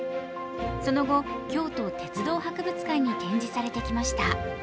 その後、京都鉄道博物館に展示されてきました。